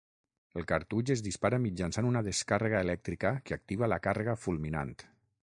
El cartutx es dispara mitjançant una descàrrega elèctrica que activa la càrrega fulminant.